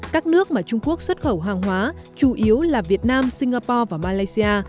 các nước mà trung quốc xuất khẩu hàng hóa chủ yếu là việt nam singapore và malaysia